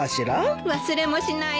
忘れもしないわ。